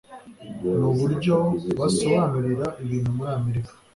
nuburyo basobanura ibintu muri amerika